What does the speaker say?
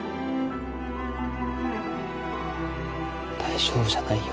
大丈夫じゃないよ。